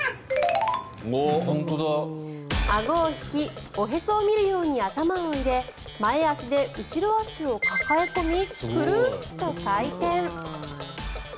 あごを引きおへそを見るように頭を入れ前足で後ろ足を抱え込みクルンと回転。